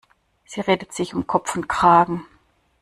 Sie redet sich um Kopf und Kragen.